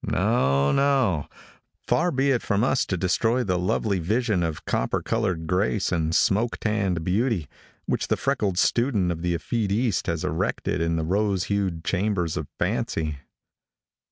No, no. Far be it from us to destroy the lovely vision of copper colored grace and smoke tanned beauty, which the freckled student of the effete east has erected in the rose hued chambers of fancy.